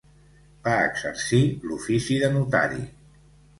Va exercir l'ofici de notari.